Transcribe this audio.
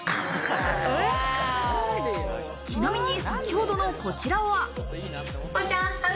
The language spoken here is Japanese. ちなみに、先ほどのこちらは。